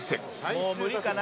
「もう無理かな」